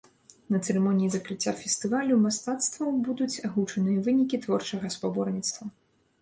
На цырымоніі закрыцця фестывалю мастацтваў будуць агучаныя вынікі творчага спаборніцтва.